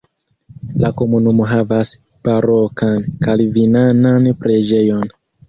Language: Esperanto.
La komunumo havas barokan kalvinanan preĝejon.